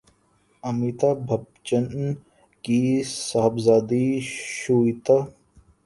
امیتابھبچن کی صاحبزادی شویتا